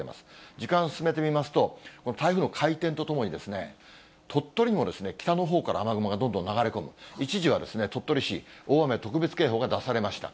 時間進めてみますと、台風の回転とともに、鳥取にも北のほうから雨雲がどんどん流れ込む、一時は鳥取市、大雨特別警報が出されました。